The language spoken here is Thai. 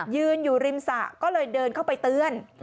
ยืนอยู่ริมสระก็เลยเดินเข้าไปเตือน